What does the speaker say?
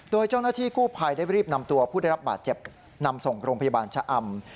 โดยเจ้าหน้าที่กู้ภัยได้รีบนำตัวผู้ได้รับบาดเจ็บนำส่งโรงพยาบาลชะอำ